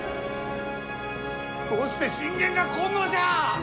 どうして信玄が来んのじゃあ！